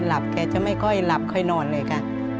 แกจะไม่ค่อยหลับค่อยนอนเลยค่ะ